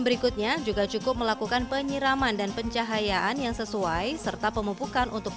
berikutnya juga cukup melakukan penyiraman dan pencahayaan yang sesuai serta pemupukan untuk